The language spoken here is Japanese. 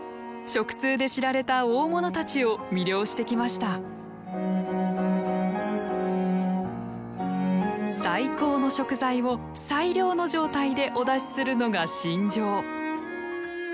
食通で知られた大物たちを魅了してきました最高の食材を最良の状態でお出しするのが信条。